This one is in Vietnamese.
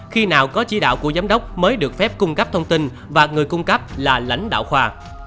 khi nào có chỉ đạo của giám đốc mới được phép cung cấp thông tin và người cung cấp là lãnh đạo khoa